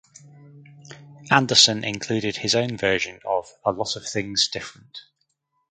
Anderson included his own version of "A Lot of Things Different".